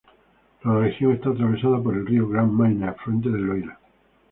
La región está atravesada por el río Grand Maine, afluente del Loira.